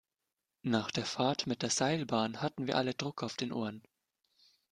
Nach der Fahrt mit der Seilbahn hatten wir alle Druck auf den Ohren.